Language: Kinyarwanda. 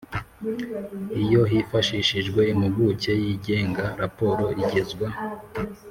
Iyo hifashishijwe impuguke yigenga raporo igezwa